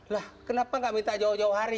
lah kenapa nggak minta jauh jauh hari